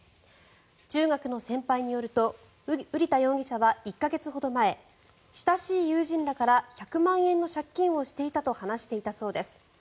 中学の先輩によると瓜田容疑者は１か月ほど前親しい友人らから１００万円の借金をしていたと話していたそうです。